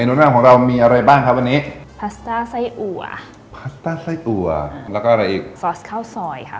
ในขณะของมีอะไรบ้างครับไม่นี้ผาใส่อ่วะแล้วก็อะไรอยู่ซเร็จข้าวซอยค่ะ